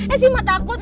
eh si ma takut